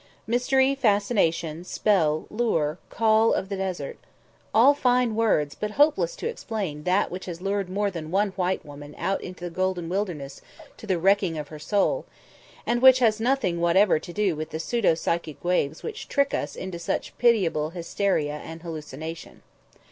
Mystery, fascination, spell, lure, call of the desert. All fine words, but hopeless to explain that which has lured more than one white woman out into the golden wilderness to the wrecking of her soul; and which has nothing whatever to do with the pseudo psychic waves which trick us into such pitiable hysteria and hallucination.